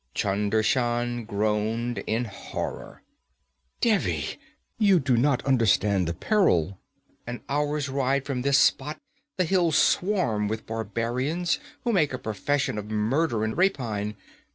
Chunder Shan groaned in horror. 'Devi! You do not understand the peril. An hour's ride from this spot the hills swarm with barbarians who make a profession of murder and rapine.